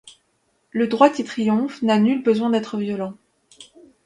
Le droit qui triomphe n'a nul besoin d'être violent.